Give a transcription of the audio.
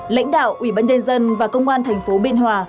lãnh đạo ủy banh đền dân và công an thành phố bên hòa